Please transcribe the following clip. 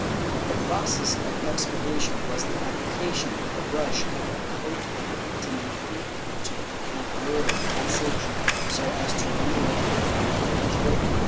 The process of expurgation was the application with a brush of a coat of printing ink to the peccant word or passage, so as to render it perfectly illegible.